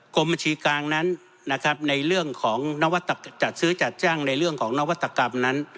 โรงบัญชีกลางจัดซื้อจัดจ้างในเรื่องของนวัตกรรมนั้น